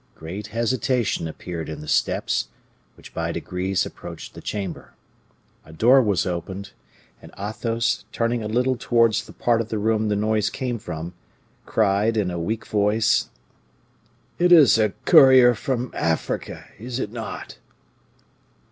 Great hesitation appeared in the steps, which by degrees approached the chamber. A door was opened, and Athos, turning a little towards the part of the room the noise came from, cried, in a weak voice: "It is a courier from Africa, is it not?"